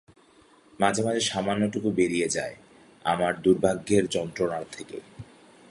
মাঝে মাঝে সামান্যটুকু বেরিয়ে যায় আমার দুর্ভাগ্যের যন্ত্রটা থেকে।